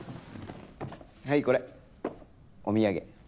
はいこれお土産。